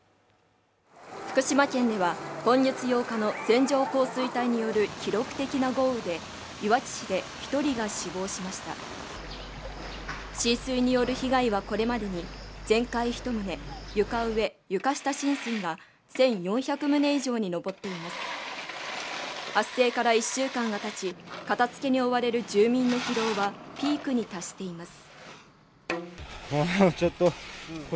福島県では今月８日の線状降水帯による記録的な豪雨でいわき市で一人が死亡しました浸水による被害はこれまでに全壊一棟床上・床下浸水が１４００棟以上に上っています発生から１週間がたち片づけに追われる住民の疲労はピークに達しています